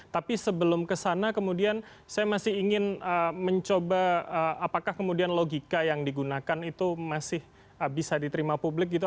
tapi sebelum kesana kemudian saya masih ingin mencoba apakah kemudian logika yang digunakan itu masih bisa diterima publik gitu